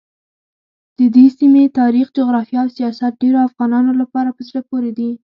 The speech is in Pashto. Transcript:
ددې سیمې تاریخ، جغرافیه او سیاست ډېرو افغانانو لپاره په زړه پورې دي.